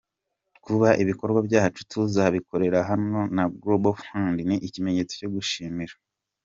Kuba ibikorwa byacu tuza kubikorera hano na Global Fund ni ikimenyetso cyo gushimira.